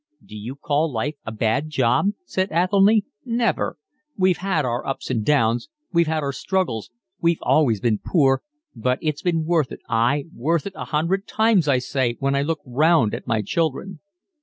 "D'you call life a bad job?" said Athelny. "Never! We've had our ups and downs, we've had our struggles, we've always been poor, but it's been worth it, ay, worth it a hundred times I say when I look round at my children."